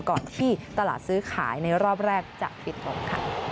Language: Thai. ก่อนที่ตลาดซื้อขายในรอบแรกจะปิดลงค่ะ